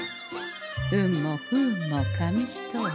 運も不運も紙一重。